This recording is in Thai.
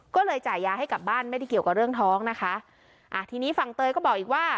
ก็เลยจ่ายยาให้กลับบ้านไม่ได้เกี่ยวกับเรื่องท้องนะคะอ่าทีนี้ฝั่งเตยก็บอกอีกว่า